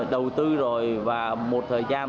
đầu tư rồi và một thời gian